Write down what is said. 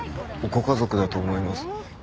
ご家族だと思います。